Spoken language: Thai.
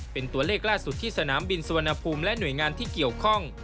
เป็นตัวเลขล่าสุดที่สนามบินสุวรรณภูมิและหน่วยงานที่เกี่ยวข้อง